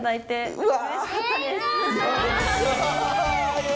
うわ！